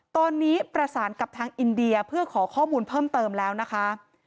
ตอนนี้ประสานกับทางอินเดียเพื่อขอข้อมูลเพิ่มเติมแล้วนะคะ